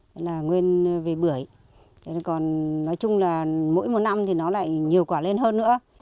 nên là nguyên về bưởi còn nói chung là mỗi một năm thì nó lại nhiều quả lên hơn nữa